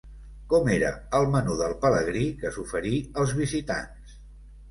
Com era el Menú del Pelegrí que s'oferí als visitants?